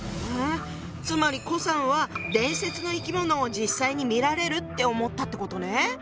つまり顧さんは伝説の生き物を実際に見られるって思ったってことね。